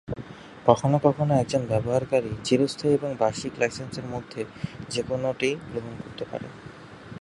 কখনো কখনো একজন ব্যবহারকারী চিরস্থায়ী এবং বার্ষিক লাইসেন্সের মধ্যে যে কোনটি গ্রহণ করতে পারে।